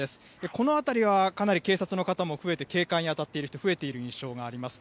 この辺りは、かなり警察の方も増えて、警戒にあたっている人、増えている印象があります。